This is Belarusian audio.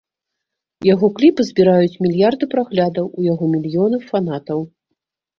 Яго кліпы збіраюць мільярды праглядаў, у яго мільёны фанатаў.